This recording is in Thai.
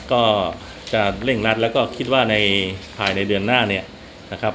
ก็จะเร่งรัดแล้วก็คิดว่าในภายในเดือนหน้าเนี่ยนะครับ